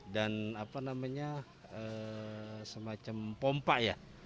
dan apa namanya semacam pompa ya